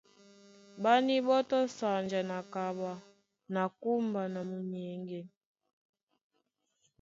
Ɓá níɓɔ́tɔ́ sanja na kaɓa na kúmba na munyɛŋgɛ.